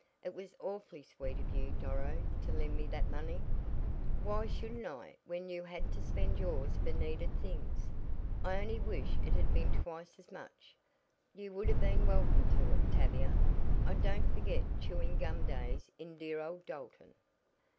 It was awfully sweet of you, Doro, to lend me that money." "Why shouldn't I when you had to spend yours for needed things? I only wish it had been twice as much. You would have been welcome to it, Tavia. I don't forget chewing gum days in dear old Dalton."